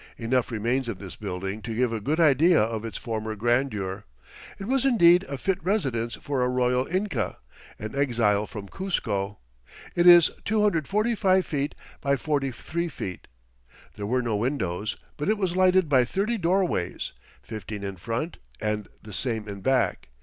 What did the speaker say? Enough remains of this building to give a good idea of its former grandeur. It was indeed a fit residence for a royal Inca, an exile from Cuzco. It is 245 feet by 43 feet. There were no windows, but it was lighted by thirty doorways, fifteen in front and the same in back.